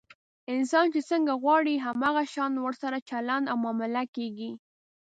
انسان چې څنګه غواړي، هم هغه شان ورسره چلند او معامله کېږي.